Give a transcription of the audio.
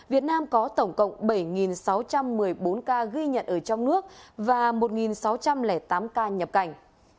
việt nam có tổng cộng bảy sáu trăm một mươi bốn ca ghi nhận ở trong nước và một sáu trăm linh tám ca nhập cảnh